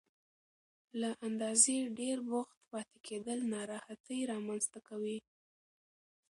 له اندازې ډېر بوخت پاتې کېدل ناراحتي رامنځته کوي.